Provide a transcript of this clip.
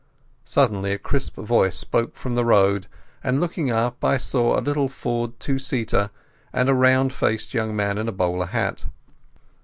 Suddenly a crisp voice spoke from the road, and looking up I saw a little Ford two seater, and a round faced young man in a bowler hat.